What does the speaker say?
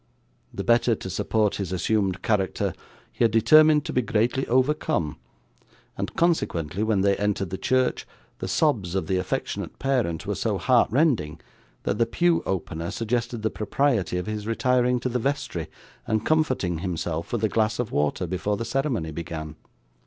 The better to support his assumed character he had determined to be greatly overcome, and, consequently, when they entered the church, the sobs of the affectionate parent were so heart rending that the pew opener suggested the propriety of his retiring to the vestry, and comforting himself with a glass of water before the ceremony began.